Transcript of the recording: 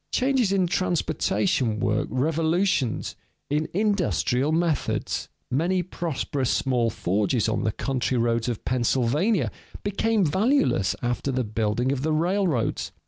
Changes in transportation work revolutions in industrial methods. Many prosperous small forges on the country roads of Pennsylvania became valueless after the building of the railroads.